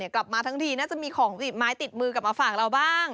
กลับมาทั้งทีน่าจะมีของติดไม้ติดมือกลับมาฝากเราบ้าง